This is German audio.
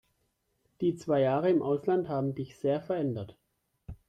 Die zwei Jahre im Ausland haben dich sehr verändert.